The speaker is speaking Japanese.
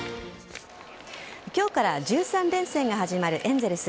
今日から１３連戦が始まるエンゼルス。